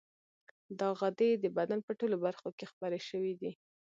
دا غدې د بدن په ټولو برخو کې خپرې شوې دي.